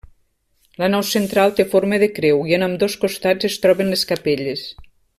La nau central té forma de creu i en ambdós costats es troben les capelles.